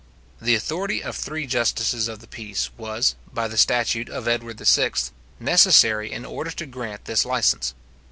The authority of three justices of the peace was, by the statute of Edward VI. necessary in order to grant this licence.